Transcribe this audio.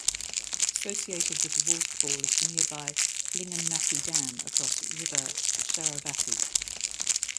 Associated with the waterfall is the nearby Linganmakki Dam across river Sharavathi.